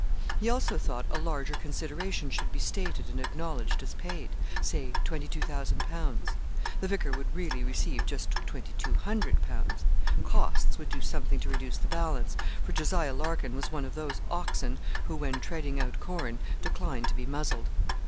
He also thought a larger consideration should be stated and acknowledged as paid, say 22,000_l._ The vicar would really receive just 2,200_l._ 'Costs' would do something to reduce the balance, for Jos. Larkin was one of those oxen who, when treading out corn, decline to be muzzled.